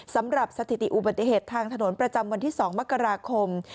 สำหรับสถิติอุบัติเหตุทางถนนประจำวันที่๒มกราคม